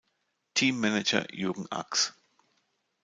Teammanager Jürgen Ax